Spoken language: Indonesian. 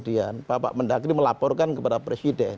yang telah dilaporkan kepada presiden